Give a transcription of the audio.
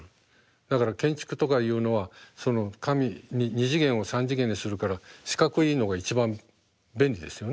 だから建築とかいうのはその紙に２次元を３次元にするから四角いのが一番便利ですよね。